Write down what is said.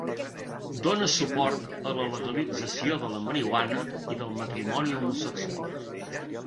Dóna suport a la legalització de la marihuana, i del matrimoni homosexual.